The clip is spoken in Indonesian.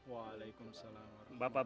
waalaikumsalam warahmatullahi wabarakatuh